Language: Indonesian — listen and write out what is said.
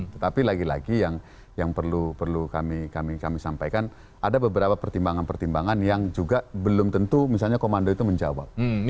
tetapi lagi lagi yang perlu kami sampaikan ada beberapa pertimbangan pertimbangan yang juga belum tentu misalnya komando itu menjawab